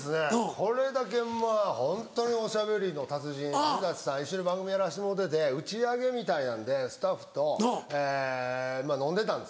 これだけまぁホントにおしゃべりの達人古さん一緒に番組やらせてもろうてて打ち上げみたいなんでスタッフと飲んでたんです。